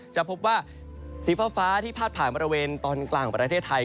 จะพบว่าสีฟ้าที่พาดผ่านบริเวณตอนกลางประเทศไทย